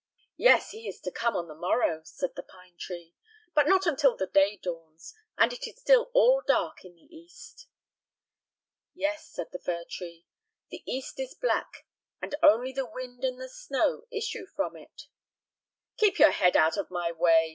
"Yes, he is to come on the morrow," said the pine tree, "but not until the day dawns, and it is still all dark in the east." "Yes," said the fir tree, "the east is black, and only the wind and the snow issue from it." "Keep your head out of my way!"